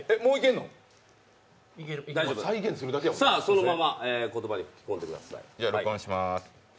そのまま言葉で吹き込んでください。